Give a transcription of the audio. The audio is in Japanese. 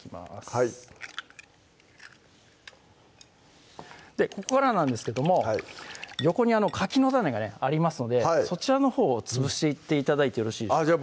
はいここからなんですけども横にかきの種がねありますのでそちらのほうを潰していって頂いてよろしいですか？